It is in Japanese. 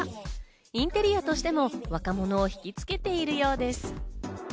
インテリアとしても若者を引きつけているようです。